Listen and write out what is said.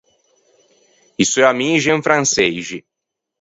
I seu amixi en franseixi.